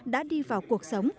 đã đi vào cuộc sống